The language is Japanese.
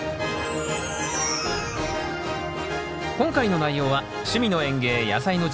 今回の内容は「趣味の園芸やさいの時間」